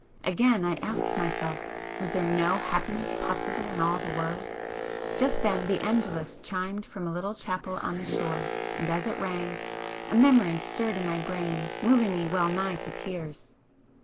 Again I asked myself—Was there no happiness possible in all the world? Just then the Angelus chimed from a little chapel on the shore, and as it rang, a memory stirred in my brain moving me well nigh to tears.